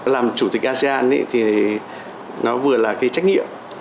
làm chủ tịch asean thì nó vừa là cái trách nhiệm